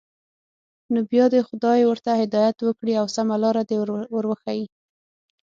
نو بیا دې خدای ورته هدایت وکړي او سمه لاره دې ور وښيي.